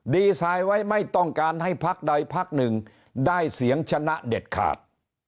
ดีไซน์ไว้ไม่ต้องการให้พักใดพักหนึ่งได้เสียงชนะเด็ดขาด